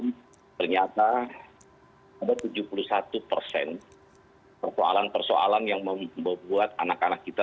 dan ternyata tujuh puluh satu persen persoalan persoalan yang membuat anak anak kita